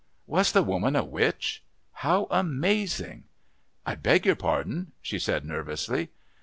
Was the woman a witch? How amazing! "I beg your pardon," she said nervously.